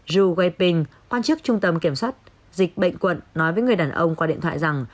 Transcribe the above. ju wayping quan chức trung tâm kiểm soát dịch bệnh quận nói với người đàn ông qua điện thoại rằng